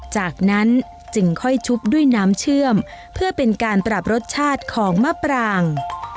จากนั้นจึงค่อยชุบด้วยน้ำเชื่อมเพื่อเป็นการปรับรสชาติของมะปราง